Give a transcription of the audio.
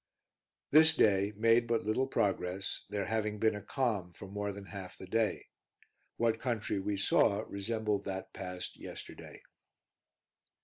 This day made but little progress, there having been a calm for more than half the day; what country we saw resembled that passed yesterday.